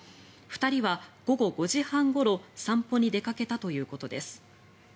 ２人は午後５時半ごろ散歩に出かけたということです。